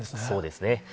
そうですね。